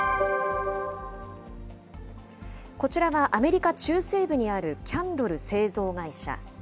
こちらはアメリカ中西部にあるキャンドル製造会社。